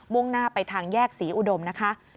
่งหน้าไปทางแยกศรีอุดมนะคะ